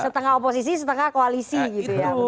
setengah oposisi setengah koalisi gitu ya